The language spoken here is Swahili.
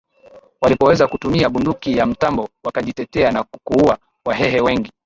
walipoweza kutumia bunduki ya mtambo wakajitetea na kuua Wahehe wengi